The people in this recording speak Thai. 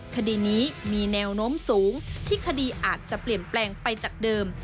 คดีนี้มีแนวโน้มสูงที่คดีอาจจะเปลี่ยนแปลงไปจากเดิม